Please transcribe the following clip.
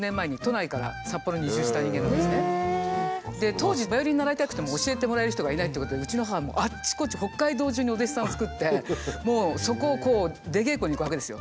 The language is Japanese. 当時バイオリン習いたくても教えてもらえる人がいないってことでうちの母もうあっちこっち北海道じゅうにお弟子さんをつくってもうそこをこう出稽古に行くわけですよ。